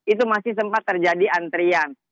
itu masih sempat terjadi antrian